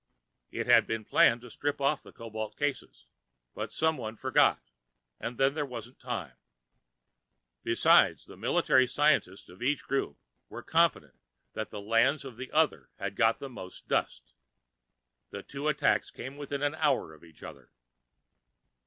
It had been planned to strip off the cobalt cases, but someone forgot and then there wasn't time. Besides, the military scientists of each group were confident that the lands of the other had got the most dust. The two attacks came within an hour of each other.